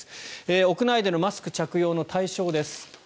屋内でのマスク着用の対象です。